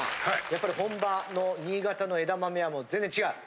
やっぱり本場の新潟の枝豆は全然違う？